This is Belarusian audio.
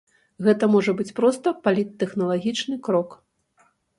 Гэта можа быць проста паліттэхналагічны крок.